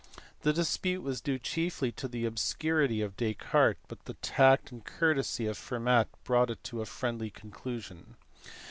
The dispute was due chiefly to the obscurity of Descartes, but the tact and courtesy of Fermat brought it to a friendly conclusion.